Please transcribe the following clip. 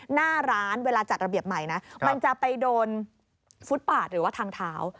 หน้าร้านเวลาจัดระเบียบใหม่นะมันจะไปโดนฟุตปาดหรือว่าทางเท้า